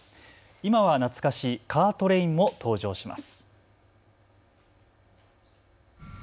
今は懐かしカートレインも登場します。